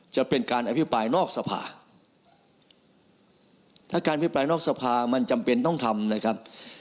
จะเป็นการอภิปรายนอกสภาถ้าการพิปรายนอกสภามันจำเป็นต้องทำนะครับ